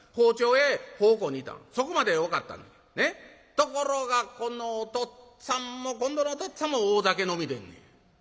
ところがこのおとっつぁんも今度のおとっつぁんも大酒飲みでんねや」。